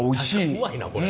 うまいなこれ。